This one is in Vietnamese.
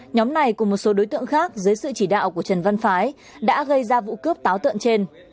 nhóm này cùng một số đối tượng khác dưới sự chỉ đạo của trần văn phái đã gây ra vụ cướp táo tợn trên